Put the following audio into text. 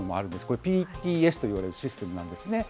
これ、ＰＴＳと呼ばれるシステムなんですね。